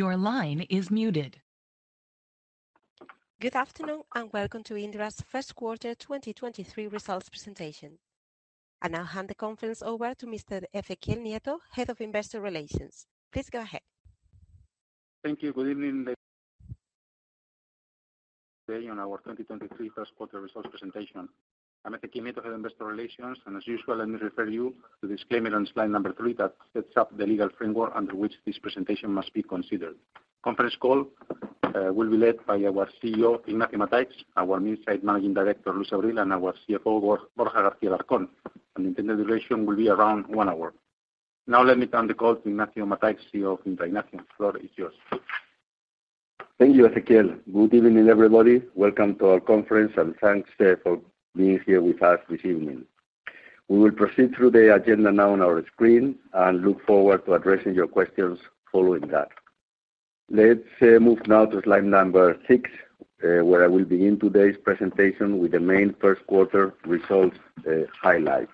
Your line is muted. Good afternoon, and welcome to Indra's first quarter 2023 results presentation. I now hand the conference over to Mr. Ezequiel Nieto, Head of Investor Relations. Please go ahead. Thank you. Good evening. On our 2023 first quarter results presentation. I'm Ezequiel Nieto, Head of Investor Relations, and as usual, let me refer you to disclaimer on slide number three that sets up the legal framework under which this presentation must be considered. Conference call will be led by our CEO, Ignacio Mataix, our Minsait Managing Director, Luis Abril, and our CFO, Borja García-Alarcón. The duration will be around one hour. Now let me turn the call to Ignacio Mataix, CEO of Indra. Ignacio, floor is yours. Thank you, Ezequiel. Good evening, everybody. Welcome to our conference. Thanks for being here with us this evening. We will proceed through the agenda now on our screen and look forward to addressing your questions following that. Let's move now to slide number six, where I will begin today's presentation with the main first quarter results highlights.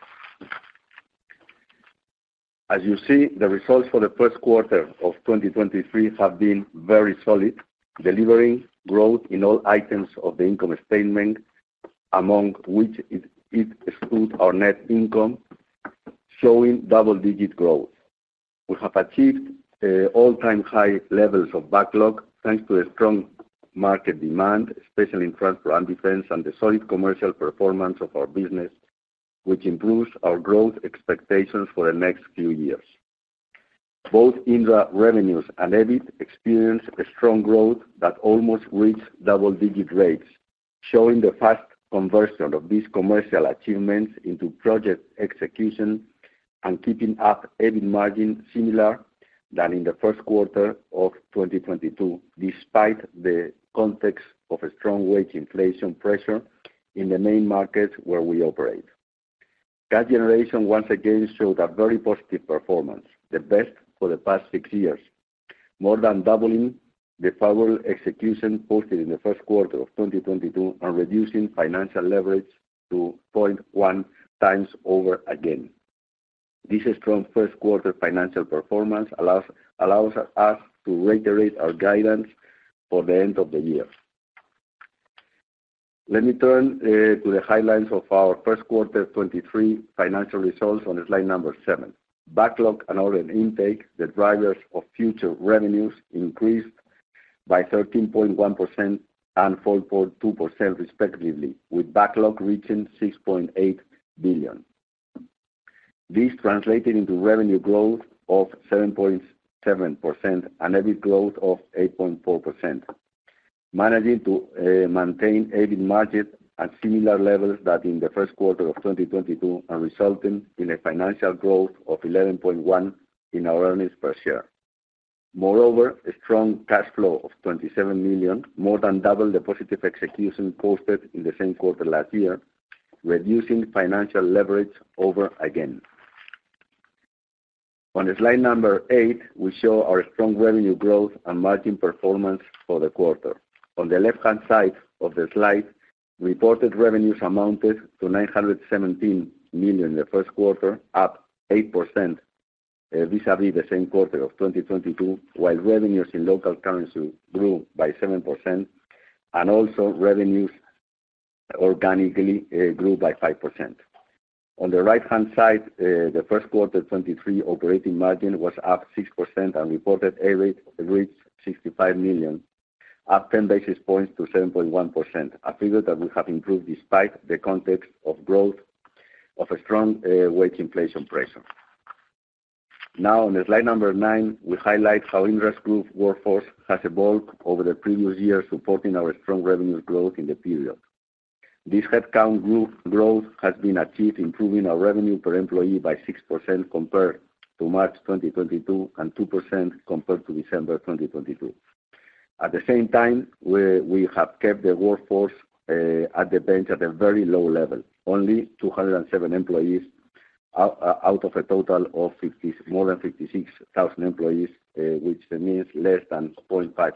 As you see, the results for the first quarter of 2023 have been very solid, delivering growth in all items of the income statement, among which it excludes our net income, showing double-digit growth. We have achieved all-time high levels of backlog, thanks to a strong market demand, especially in transport and defense, and the solid commercial performance of our business, which improves our growth expectations for the next few years. Both Indra revenues and EBIT experienced a strong growth that almost reached double-digit rates, showing the fast conversion of these commercial achievements into project execution and keeping up EBIT margin similar than in the first quarter of 2022, despite the context of a strong wage inflation pressure in the main markets where we operate. Cash generation once again showed a very positive performance, the best for the past six years, more than doubling the favorable execution posted in the first quarter of 2022 and reducing financial leverage to 0.1x over again. This strong first quarter financial performance allows us to reiterate our guidance for the end of the year. Let me turn to the highlights of our first quarter 2023 financial results on slide seven. Backlog and order intake, the drivers of future revenues, increased by 13.1% and 4.2% respectively, with backlog reaching 6.8 billion. This translated into revenue growth of 7.7% and EBIT growth of 8.4%, managing to maintain EBIT margin at similar levels that in the first quarter of 2022 and resulting in a financial growth of 11.1% in our earnings per share. A strong cash flow of 27 million, more than double the positive execution posted in the same quarter last year, reducing financial leverage over again. On slide number eight, we show our strong revenue growth and margin performance for the quarter. On the left-hand side of the slide, reported revenues amounted to 917 million in the first quarter, up 8% vis-a-vis the same quarter of 2022, while revenues in local currency grew by 7% and also revenues organically grew by 5%. On the right-hand side, the first quarter 23 operating margin was up 6% and reported EBIT reached 65 million, up 10 basis points to 7.1%, a figure that we have improved despite the context of growth of a strong wage inflation pressure. On slide number nine, we highlight how Indra's group workforce has evolved over the previous year, supporting our strong revenue growth in the period. This headcount growth has been achieved, improving our revenue per employee by 6% compared to March 2022, and 2% compared to December 2022. At the same time, we have kept the workforce at the bench at a very low level, only 207 employees out of a total of more than 56,000 employees, which means less than 0.5%.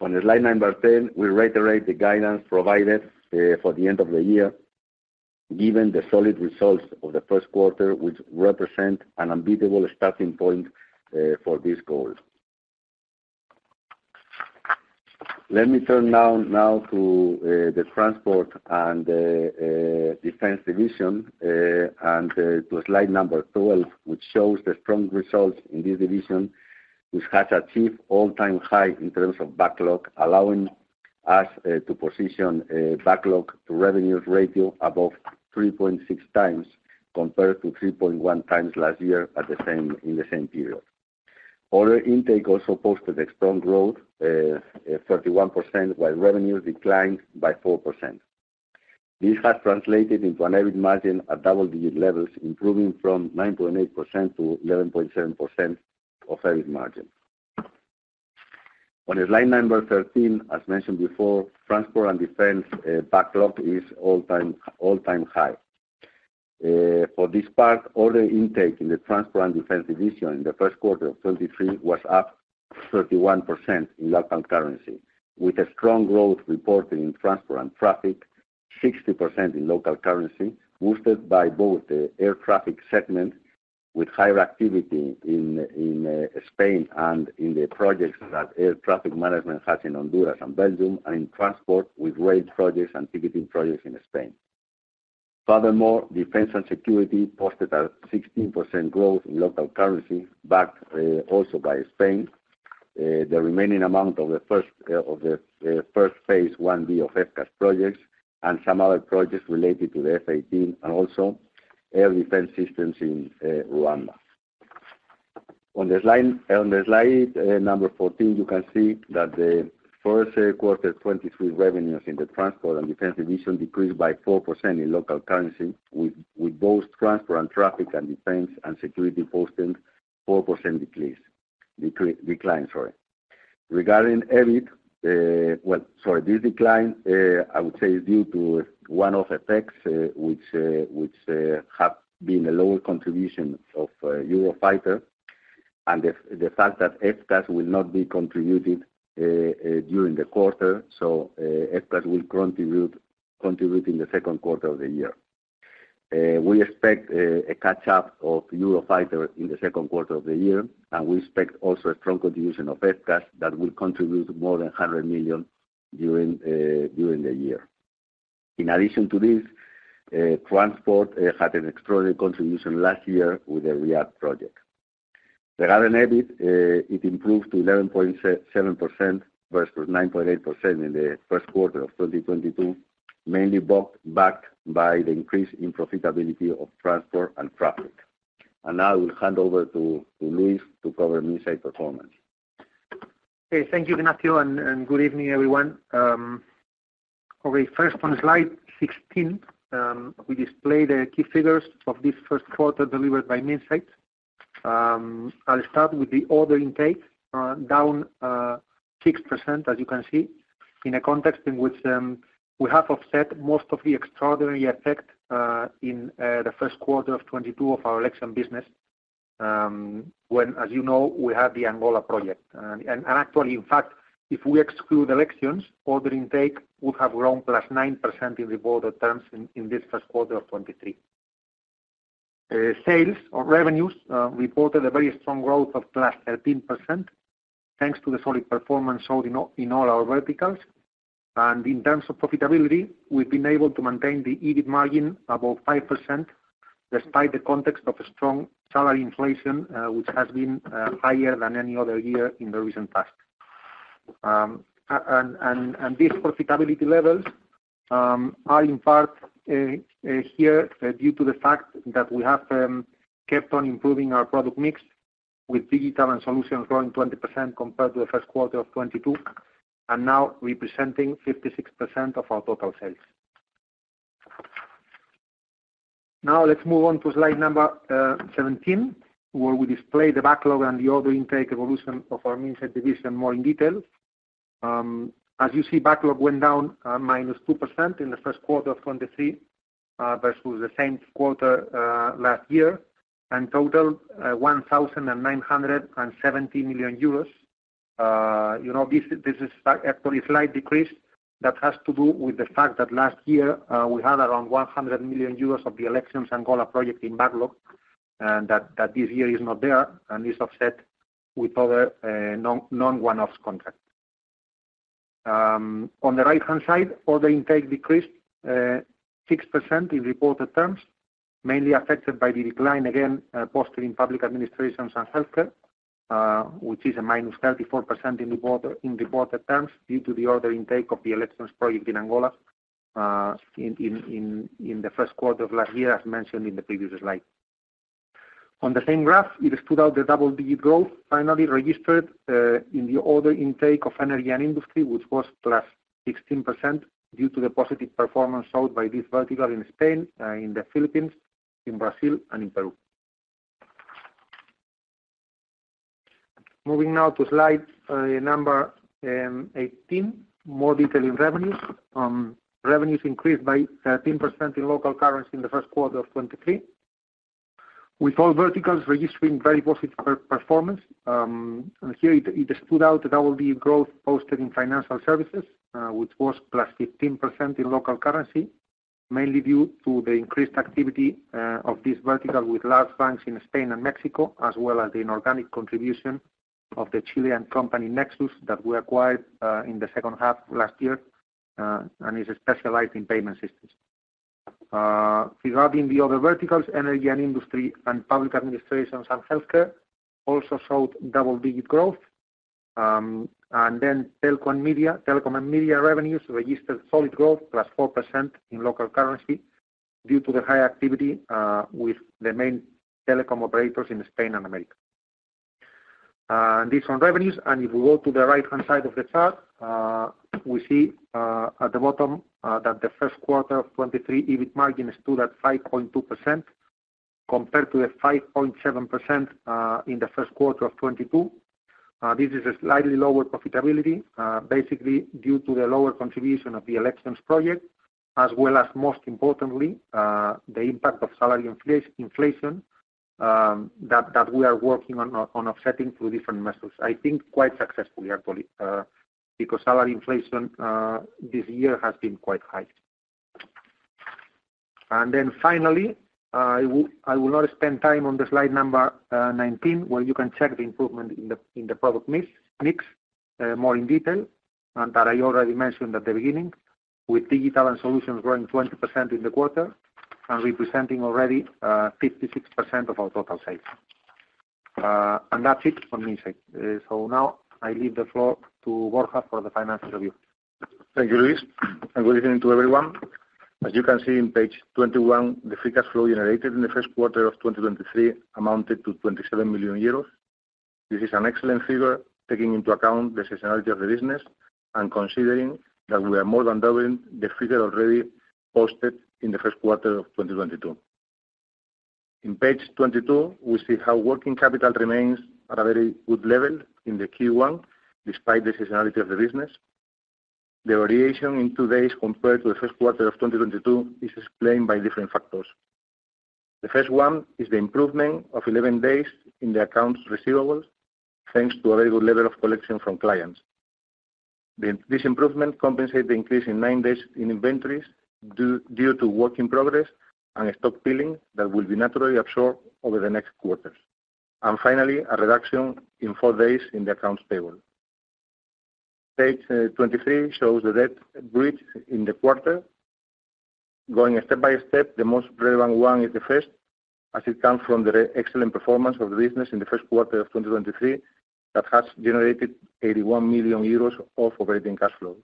On slide number 10, we reiterate the guidance provided for the end of the year, given the solid results of the first quarter, which represent an unbeatable starting point for this goal. Let me turn now to the transport and the defense division and to slide number 12, which shows the strong results in this division, which has achieved all-time high in terms of backlog, allowing us to position a backlog to revenues ratio above 3.6x compared to 3.1x last year in the same period. Order intake also posted a strong growth, 31%, while revenues declined by 4%. This has translated into an EBIT margin at double-digit levels, improving from 9.8% to 11.7% of EBIT margin. On slide number 13, as mentioned before, transport and defense backlog is all-time high. For this part, order intake in the transport and defense division in the first quarter of 2023 was up 31% in local currency, with a strong growth reported in transport and traffic, 60% in local currency, boosted by both the air traffic segment with higher activity in Spain and in the projects that air traffic management has in Honduras and Belgium, and in transport with rail projects and ticketing projects in Spain. Furthermore, defense and security posted a 16% growth in local currency, backed also by Spain. The remaining amount of the first Phase 1B of FCAS projects and some other projects related to the F/A-18 and also air defense systems in Rwanda. On the slide 14, you can see that the first quarter 2023 revenues in the transport and defense division decreased by 4% in local currency with both transport and traffic and defense and security posting 4% decline, sorry. Regarding EBIT, well, sorry, this decline, I would say is due to one of effects which have been a lower contribution of Eurofighter and the fact that FCAS will not be contributed during the quarter. FCAS will contribute in the second quarter of the year. We expect a catch-up of Eurofighter in the second quarter of the year, and we expect also a strong contribution of FCAS that will contribute more than 100 million during the year. In addition to this, transport had an extraordinary contribution last year with the REAC project. Regarding EBIT, it improved to 11.7% versus 9.8% in the first quarter of 2022, mainly backed by the increase in profitability of transport and traffic. Now I will hand over to Luis to cover Minsait's performance. Thank you, Ignacio, and good evening, everyone. First on slide 16, we display the key figures of this first quarter delivered by Minsait. I'll start with the order intake, down 6%, as you can see, in a context in which we have offset most of the extraordinary effect in the first quarter of 2022 of our elections business, when, as you know, we had the Angola project. Actually, in fact, if we exclude elections, order intake would have grown +9% in reported terms in this first quarter of 2023. Sales or revenues reported a very strong growth of +13% thanks to the solid performance showed in all our verticals. In terms of profitability, we've been able to maintain the EBIT margin above 5% despite the context of a strong salary inflation, which has been higher than any other year in the recent past. These profitability levels are in part here due to the fact that we have kept on improving our product mix with digital and solutions growing 20% compared to the first quarter of 2022 and now representing 56% of our total sales. Let's move on to slide number 17, where we display the backlog and the order intake evolution of our Minsait division more in detail. As you see, backlog went down -2% in the first quarter 2023 versus the same quarter last year and totaled 1,970 million euros. You know, this is actually a slight decrease that has to do with the fact that last year we had around 100 million euros of the elections Angola project in backlog, and that this year is not there and is offset with other non one-offs contracts. On the right-hand side, order intake decreased 6% in reported terms, mainly affected by the decline again, posted in public administrations and healthcare, which is a minus 34% in reported terms due to the order intake of the elections project in Angola, in the first quarter of last year, as mentioned in the previous slide. On the same graph, it stood out the double-digit growth finally registered in the order intake of energy and industry, which was plus 16% due to the positive performance showed by this vertical in Spain, in the Philippines, in Brazil and in Peru. Moving now to slide number 18, more detail in revenues. Revenues increased by 13% in local currency in the first quarter of 2023, with all verticals registering very positive performance. Here it stood out the double-digit growth posted in financial services, which was +15% in local currency, mainly due to the increased activity of this vertical with large banks in Spain and Mexico, as well as the inorganic contribution of the Chilean company Nexus that we acquired in the second half last year, and is specialized in payment systems. Regarding the other verticals, energy and industry and public administrations and healthcare also showed double-digit growth. Telco and media, telecom and media revenues registered solid growth, +4% in local currency due to the high activity with the main telecom operators in Spain and America. This on revenues. If we go to the right-hand side of the chart, we see, at the bottom, that the first quarter of 23 EBIT margin stood at 5.2% compared to the 5.7%, in the first quarter of 22. This is a slightly lower profitability, basically due to the lower contribution of the elections project. As well as most importantly, the impact of salary inflation, that we are working on offsetting through different methods. I think quite successfully actually, because salary inflation, this year has been quite high. Finally, I will not spend time on the slide number 19, where you can check the improvement in the product mix more in detail, and that I already mentioned at the beginning, with digital and solutions growing 20% in the quarter and representing already 56% of our total sales. That's it from me. Now I leave the floor to Borja for the financial review. Thank you, Luis. Good evening to everyone. As you can see in page 21, the free cash flow generated in the first quarter of 2023 amounted to 27 million euros. This is an excellent figure, taking into account the seasonality of the business and considering that we are more than doubling the figure already posted in the first quarter of 2022. In page 22, we see how working capital remains at a very good level in the Q1, despite the seasonality of the business. The variation in 2 days compared to the first quarter of 2022 is explained by different factors. The first one is the improvement of 11 days in the accounts receivables, thanks to a very good level of collection from clients. This improvement compensate the increase in nine days in inventories due to work in progress and stock building that will be naturally absorbed over the next quarters. Finally, a reduction in four days in the accounts payable. Page 23 shows the debt bridge in the quarter. Going step-by-step, the most relevant one is the first, as it comes from the excellent performance of the business in the first quarter of 2023 that has generated 81 million euros of operating cash flow.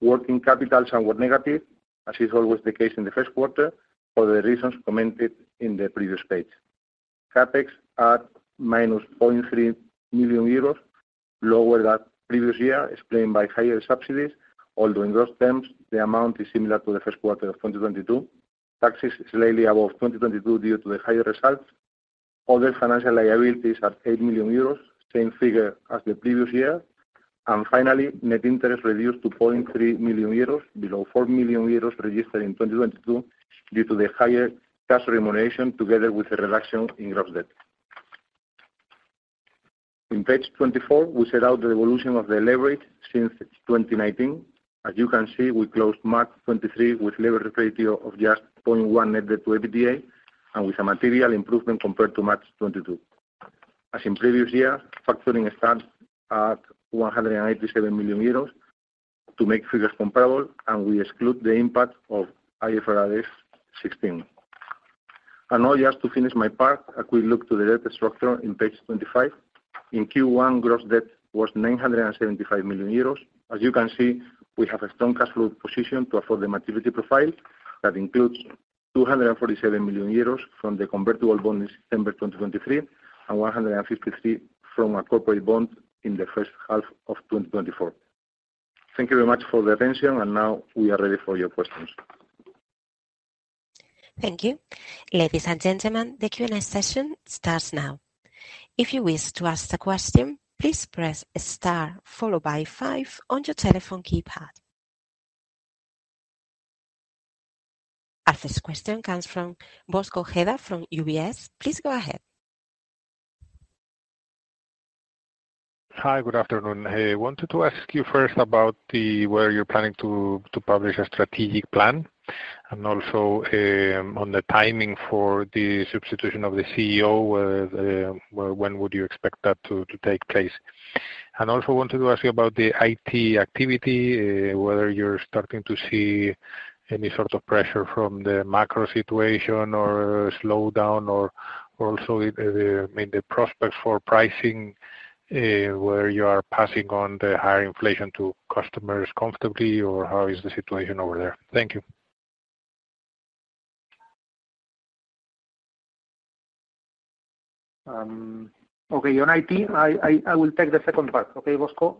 Working capital somewhat negative, as is always the case in the first quarter, for the reasons commented in the previous page. CapEx at minus 0.3 million euros, lower than previous year, explained by higher subsidies, although in those terms, the amount is similar to the first quarter of 2022. Taxes is slightly above 2022 due to the higher results. Finally, net interest reduced to 0.3 million euros, below 4 million euros registered in 2022 due to the higher cash remuneration together with the reduction in gross debt. In page 24, we set out the evolution of the leverage since 2019. As you can see, we closed March 23 with leverage ratio of just 0.1 net debt to EBITDA and with a material improvement compared to March 22. As in previous year, factoring stands at 187 million euros to make figures comparable, and we exclude the impact of IFRS 16. Now just to finish my part, a quick look to the debt structure in page 25. In Q1, gross debt was 975 million euros. As you can see, we have a strong cash flow position to afford the maturity profile. That includes 247 million euros from the convertible bond this December 2023 and 153 million from our corporate bond in the first half of 2024. Thank you very much for the attention. Now we are ready for your questions. Thank you. Ladies and gentlemen, the Q&A session starts now. If you wish to ask a question, please press star followed by five on your telephone keypad. Our first question comes from Bosco Ojeda from UBS. Please go ahead. Hi, good afternoon. Hey, wanted to ask you first about the, whether you're planning to publish a strategic plan and also on the timing for the substitution of the CEO, when would you expect that to take place? Also wanted to ask you about the IT activity, whether you're starting to see any sort of pressure from the macro situation or slowdown or also the, I mean, the prospects for pricing, where you are passing on the higher inflation to customers comfortably or how is the situation over there? Thank you. Okay. On IT, I will take the second part. Okay, Bosco?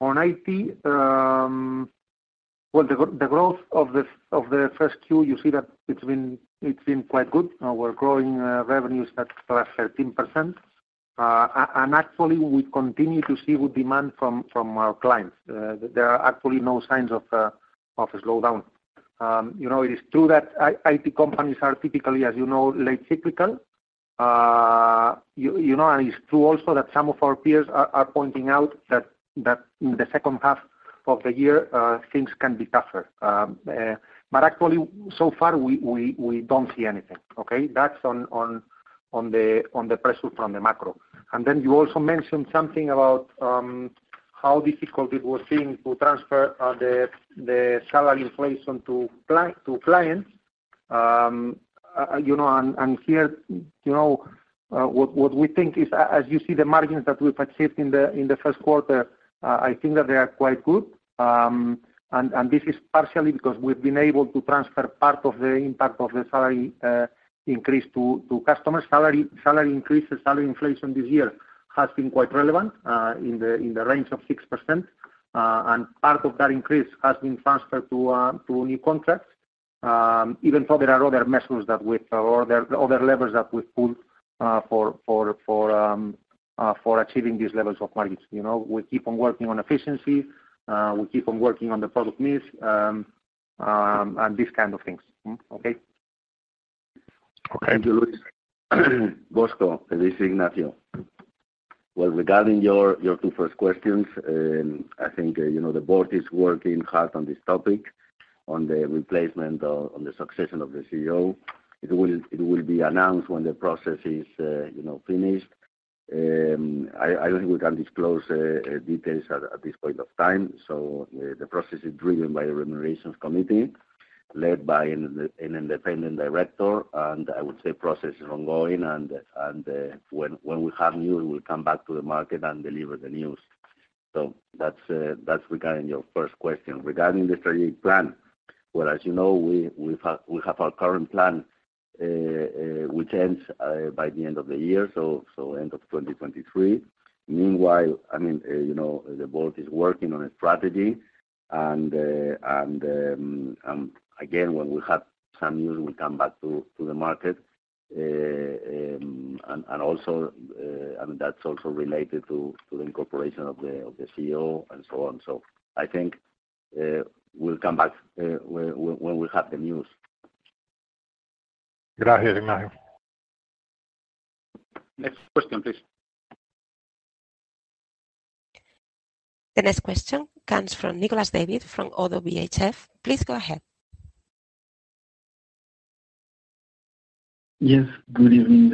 On IT, well, the growth of the 1Q, you see that it's been quite good. We're growing revenues at 13%. Actually we continue to see good demand from our clients. There are actually no signs of a slowdown. You know, it is true that IT companies are typically, as you know, late cyclical. You know, it is true also that some of our peers are pointing out that in the second half of the year, things can be tougher. Actually so far we don't see anything, okay? That's on the pressure from the macro. You also mentioned something about how difficult it was seen to transfer the salary inflation to clients. You know, here, you know, what we think is, as you see the margins that we've achieved in the first quarter, I think that they are quite good. This is partially because we've been able to transfer part of the impact of the salary increase to customers. Salary increases, salary inflation this year has been quite relevant in the range of 6%. Part of that increase has been transferred to new contracts. Even though there are other measures that we or other levers that we pull for achieving these levels of markets. You know, we keep on working on efficiency, we keep on working on the product mix, and these kind of things. Okay? Okay. Thank you, Luis. Bosco, this is Ignacio. Well, regarding your two first questions, I think, you know, the board is working hard on this topic, on the succession of the CEO. It will be announced when the process is, you know, finished. I don't think we can disclose details at this point of time. The process is driven by the Remunerations Committee, led by an independent director. I would say process is ongoing and when we have news, we'll come back to the market and deliver the news. That's regarding your first question. Regarding the strategic plan. Well, as you know, we have our current plan which ends by the end of the year, so end of 2023. Meanwhile, I mean, you know, the board is working on a strategy and, again, when we have some news, we'll come back to the market. Also, I mean, that's also related to the incorporation of the CEO and so on. I think, we'll come back, when we have the news. Gracias, Ignacio. Next question, please. The next question comes from Nicolas David from ODDO BHF. Please go ahead. Yes. Good evening.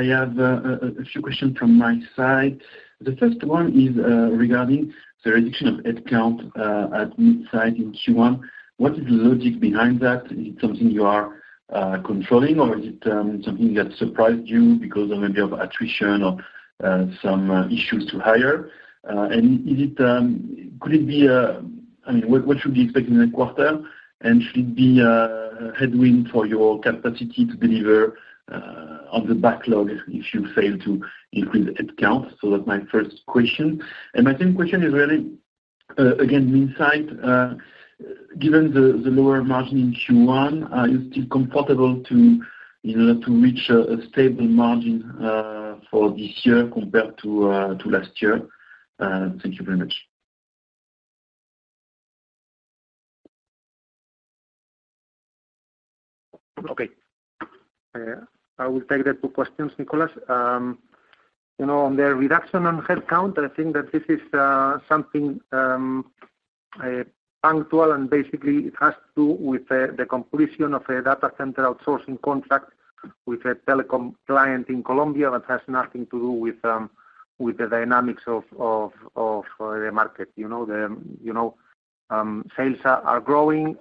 I have a few questions from my side. The first one is regarding the reduction of headcount at Minsait in Q1. What is the logic behind that? Is it something you are controlling or is it something that surprised you because of maybe of attrition or some issues to hire? I mean, what should we expect in the quarter? Should it be a headwind for your capacity to deliver on the backlog if you fail to increase headcount? That's my first question. My second question is really again Minsait. Given the lower margin in Q1, are you still comfortable to, you know, to reach a stable margin for this year compared to last year? Thank you very much. Okay. I will take the 2 questions, Nicolas. You know, on the reduction on headcount, I think that this is something punctual. Basically it has to do with the completion of a data center outsourcing contract with a telecom client in Colombia that has nothing to do with the dynamics of the market. You know, the, you know, sales are growing.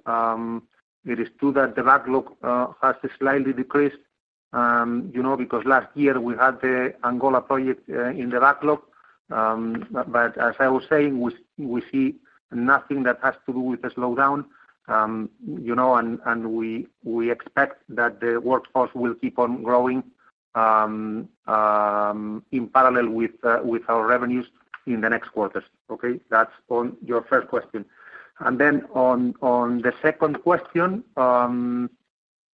It is true that the backlog has slightly decreased, you know, because last year we had the Angola project in the backlog. As I was saying, we see nothing that has to do with the slowdown. You know, we expect that the workforce will keep on growing in parallel with our revenues in the next quarters. Okay. That's on your first question. Then on the second question,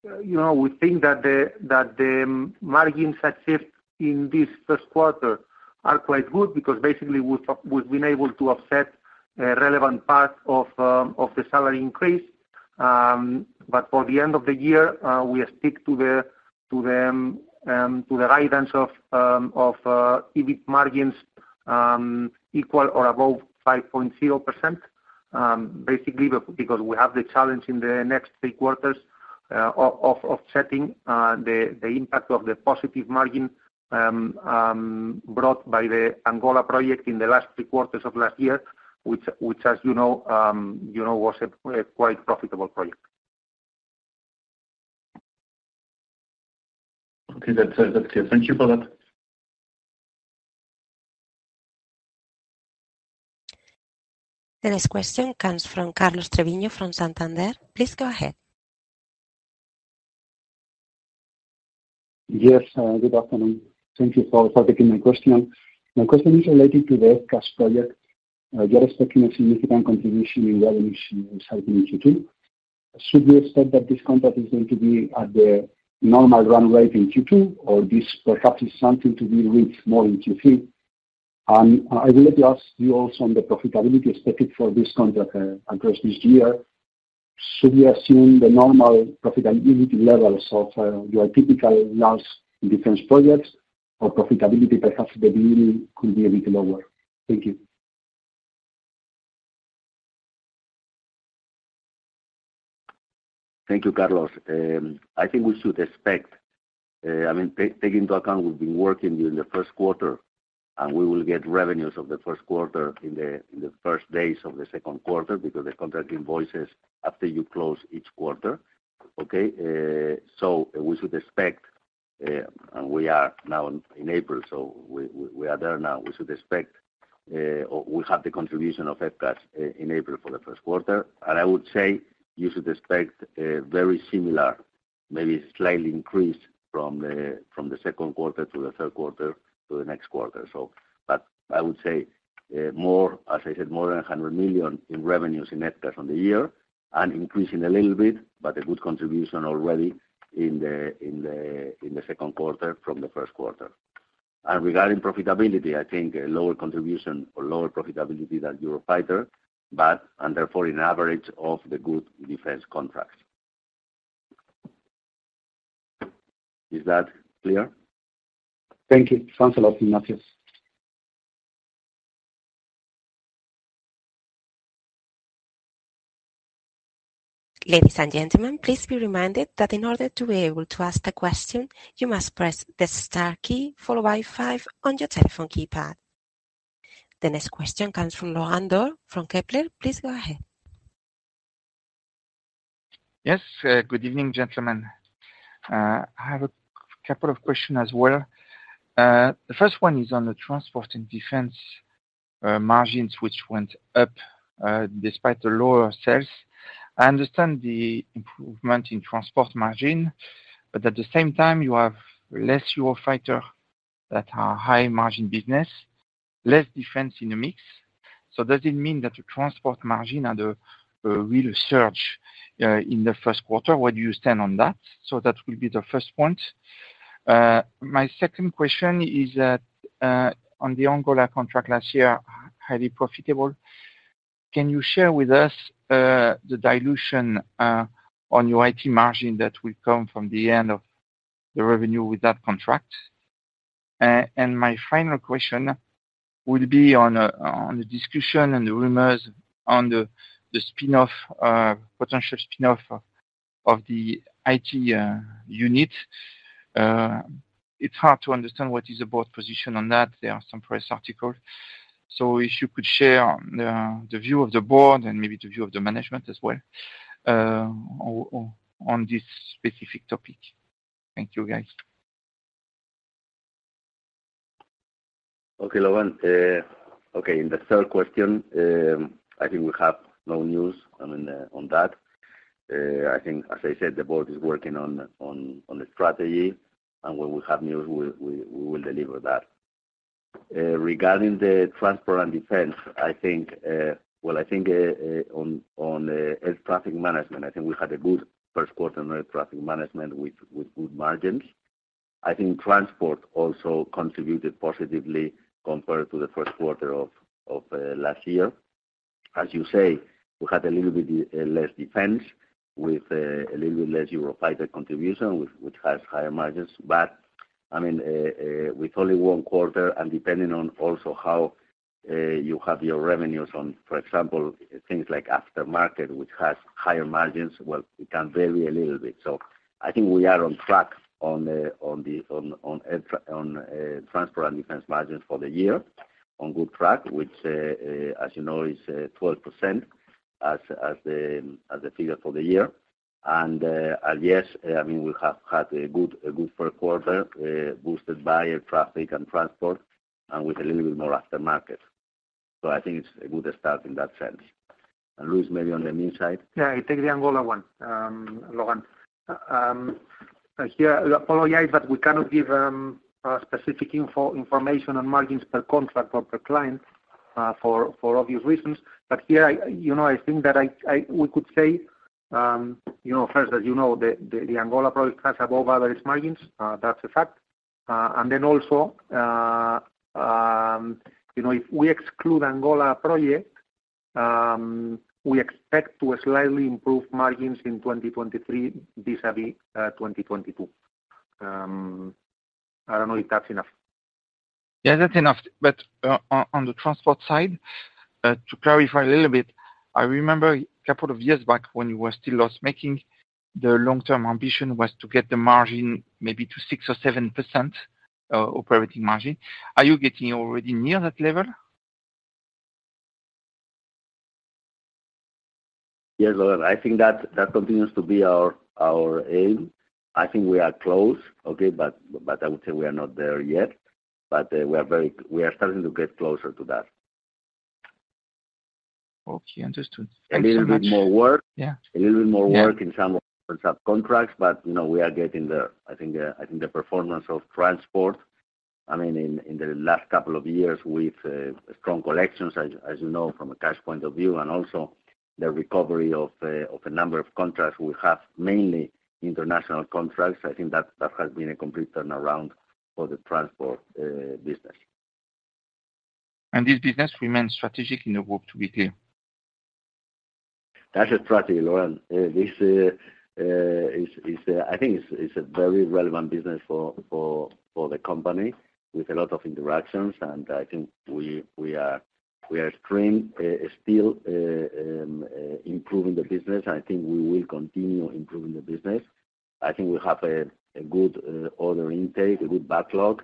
you know, we think that the margins achieved in this first quarter are quite good because basically we've been able to offset a relevant part of the salary increase. For the end of the year, we stick to the guidance of EBIT margins, equal or above 5.0%, because we have the challenge in the next three quarters, of setting the impact of the positive margin, brought by the Angola project in the last three quarters of last year, which, as you know, you know, was a quite profitable project. Okay. That's, that's it. Thank you for that. The next question comes from Carlos Treviño from Santander. Please go ahead. Yes. Good afternoon. Thank you for taking my question. My question is related to the FCAS project. You are expecting a significant contribution in revenues starting in Q2. Should we expect that this contract is going to be at the normal run rate in Q2, or this perhaps is something to be reached more in Q3? I would like to ask you also on the profitability expected for this contract, across this year. Should we assume the normal profitability levels of your typical large defense projects or profitability perhaps the beginning could be a bit lower? Thank you. Thank you, Carlos. I think we should expect, taking into account we've been working during the first quarter, and we will get revenues of the first quarter in the first days of the second quarter because the contract invoices after you close each quarter. Okay? We should expect, and we are now in April, we are there now. We should expect, or we have the contribution of FCAS in April for the first quarter. I would say you should expect, very similar. Maybe slightly increase from the second quarter to the third quarter to the next quarter, so. I would say, more, as I said, more than 100 million in revenues in net cash on the year and increasing a little bit, but a good contribution already in the second quarter from the first quarter. Regarding profitability, I think a lower contribution or lower profitability than Eurofighter, and therefore, an average of the good defense contracts. Is that clear? Thank you. Thanks a lot, Mataix. Ladies and gentlemen, please be reminded that in order to be able to ask a question, you must press the star key followed by five on your telephone keypad. The next question comes from Laurent Daure from Kepler. Please go ahead. Yes, good evening, gentlemen. I have a couple of question as well. The first one is on the transport and defense margins, which went up despite the lower sales. I understand the improvement in transport margin. At the same time, you have less Eurofighter that are high margin business, less defense in the mix. Does it mean that the transport margin had a real surge in the first quarter? Where do you stand on that? My second question is that on the Angola contract last year, highly profitable. Can you share with us the dilution on your IT margin that will come from the end of the revenue with that contract? My final question would be on the discussion and the rumors on the spin-off, potential spin-off of the IT unit. It's hard to understand what is the board position on that. There are some press articles. If you could share the view of the board and maybe the view of the management as well, on this specific topic. Thank you, guys. Okay, Laurent. Okay, in the third question, I think we have no news on that. I think, as I said, the board is working on the strategy, and when we have news, we will deliver that. Regarding the transport and defense, I think, well, I think on air traffic management, I think we had a good first quarter on air traffic management with good margins. I think transport also contributed positively compared to the first quarter of last year. As you say, we had a little bit less defense with a little bit less Eurofighter contribution, which has higher margins. I mean, with only one quarter and depending on also how you have your revenues on, for example, things like aftermarket, which has higher margins, well, it can vary a little bit. I think we are on track on the transport and defense margins for the year, on good track, which, as you know, is 12% as the figure for the year. Yes, I mean, we have had a good first quarter, boosted by air traffic and transport and with a little bit more aftermarket. I think it's a good start in that sense. Luis, maybe on the Minsait. Yeah, I take the Angola one, Lohan. Here, apologize, but we cannot give specific information on margins per contract or per client for obvious reasons. Here, you know, I think that we could say, you know, first, as you know, the Angola project has above-average margins, that's a fact. Also, you know, if we exclude Angola project, we expect to slightly improve margins in 2023 vis-à-vis 2022. I don't know if that's enough. Yeah, that's enough. On the transport side, to clarify a little bit, I remember a couple of years back when you were still loss-making, the long-term ambition was to get the margin maybe to 6% or 7%, operating margin. Are you getting already near that level? Yes, Lohan. I think that continues to be our aim. I think we are close, okay? I would say we are not there yet, but we are starting to get closer to that. Okay, understood. Thanks so much. A little bit more work. Yeah. A little bit more work in some of the subcontracts, but you know, we are getting there. I think, I think the performance of transport, I mean, in the last couple of years with strong collections, as you know, from a cash point of view, and also the recovery of a number of contracts we have, mainly international contracts. I think that has been a complete turnaround for the transport business. This business remains strategic in the group to be here. That's a strategy, Lohan. This is I think it's a very relevant business for the company with a lot of interactions, and I think we are still improving the business. I think we will continue improving the business. I think we have a good order intake, a good backlog,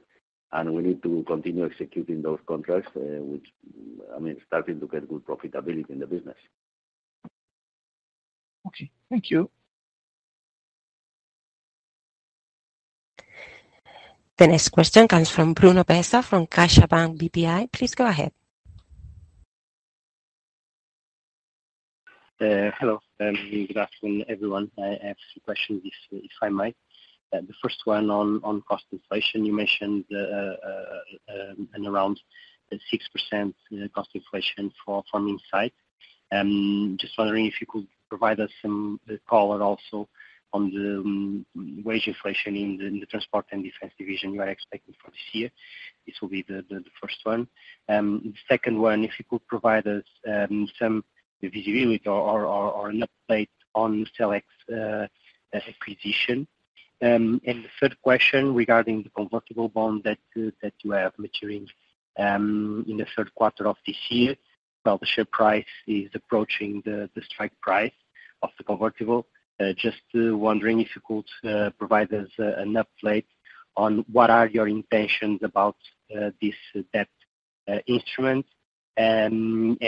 and we need to continue executing those contracts, which, I mean, starting to get good profitability in the business. Okay. Thank you. The next question comes from Bruno Bessa from CaixaBank BPI. Please go ahead. Hello and good afternoon, everyone. I have some questions if I may. The first one on cost inflation. You mentioned an around 6% cost inflation for from Minsait. Just wondering if you could provide us some color also on the wage inflation in the transport and defense division you are expecting for this year. This will be the first one. The second one, if you could provide us some visibility or an update on the Selex acquisition. The third question regarding the convertible bond that you have maturing in the 3rd quarter of this year. While the share price is approaching the strike price of the convertible, just wondering if you could provide us an update on what are your intentions about this debt instrument, and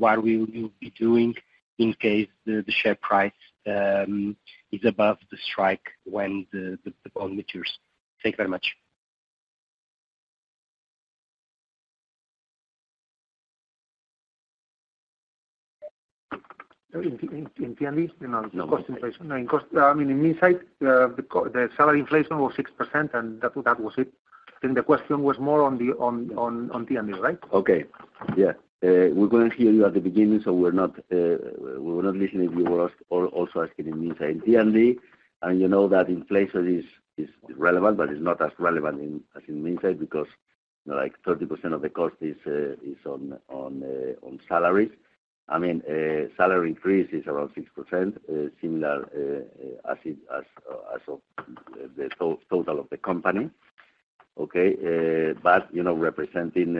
what will you be doing in case the share price is above the strike when the bond matures. Thank you very much. In R&D? You know, cost inflation. No. I mean, in Minsait, the salary inflation was 6%, that was it. The question was more on the P&D, right? Okay. Yeah. We couldn't hear you at the beginning, so we're not, we were not listening if you were also asking in Minsait. In P&D, you know that inflation is relevant, but it's not as relevant as in Minsait because like 30% of the cost is on salaries. I mean, salary increase is around 6%, similar as of the total of the company. Okay, you know, representing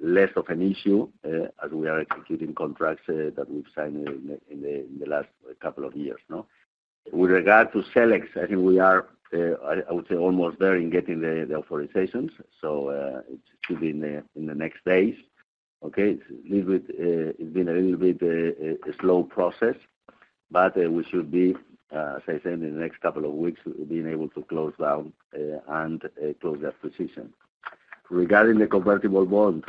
less of an issue, as we are executing contracts that we've signed in the last couple of years, no. With regard to Selex, I think we are, I would say almost there in getting the authorizations. It should be in the next days. Okay? Little bit, it's been a little bit a slow process, we should be, as I said, in the next couple of weeks, we've been able to close down and close that position. Regarding the convertible bond,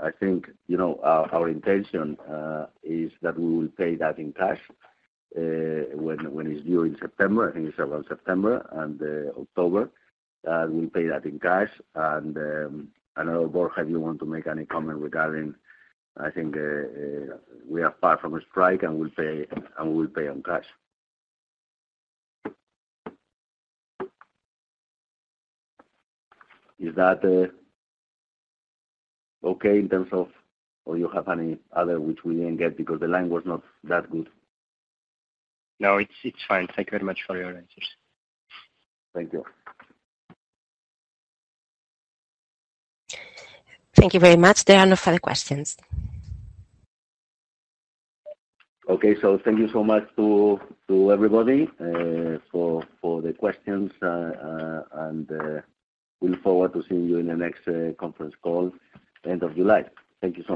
I think, you know, our intention is that we will pay that in cash when it's due in September, I think it's around September and October. We'll pay that in cash and, I don't know, Borja, you want to make any comment regarding... I think we are far from a strike, and we will pay in cash. Is that, okay in terms of...? You have any other which we didn't get because the line was not that good? No, it's fine. Thank you very much for your answers. Thank you. Thank you very much. There are no further questions. Okay. Thank you so much to everybody for the questions. We look forward to seeing you in the next conference call end of July. Thank you so much.